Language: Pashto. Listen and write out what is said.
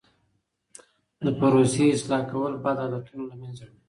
د پروسې اصلاح کول بد عادتونه له منځه وړي.